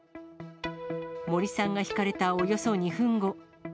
森さんがひかれたおよそ２分後。